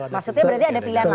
maksudnya berarti ada pilihan lain